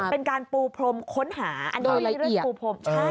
เป็นการปูพรมค้นหาอันนี้เรื่องปูพรม